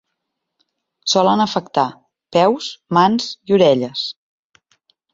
Solen afectar peus, mans, i orelles.